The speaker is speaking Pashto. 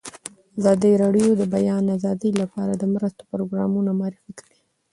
ازادي راډیو د د بیان آزادي لپاره د مرستو پروګرامونه معرفي کړي.